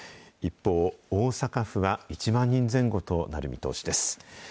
一方、大阪府は１万人前後となる見通しです。